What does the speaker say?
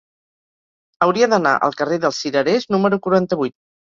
Hauria d'anar al carrer dels Cirerers número quaranta-vuit.